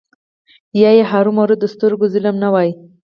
یا یې هومره د سترګو ظلم نه وای.